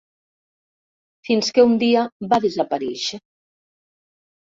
Fins que un dia va desaparèixer.